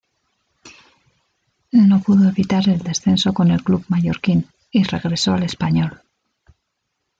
No pudo evitar el descenso con el club mallorquín, y regresó al Español.